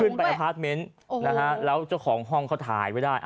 ไปอพาร์ทเมนต์นะฮะแล้วเจ้าของห้องเขาถ่ายไว้ได้